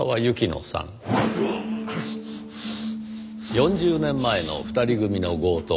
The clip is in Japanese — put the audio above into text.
４０年前の２人組の強盗犯。